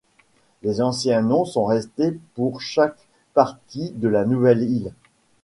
Les anciens noms sont restées pour chaque partie de la nouvelle île.